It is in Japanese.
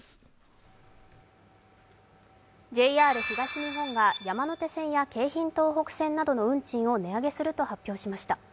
ＪＲ東日本が山手線や京浜東北線の運賃を値上げすると発表しました。